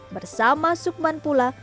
bersama sukman pula